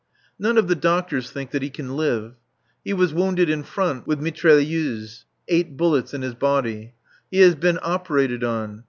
None of the doctors think that he can live. He was wounded in front with mitrailleuse; eight bullets in his body. He has been operated on.